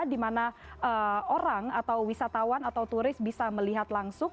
dimana orang atau wisatawan atau turis bisa melihat langsung